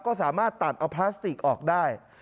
ก็สามารถตัดเอาพลาสติกออกได้